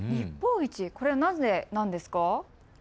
これはなぜなんですか。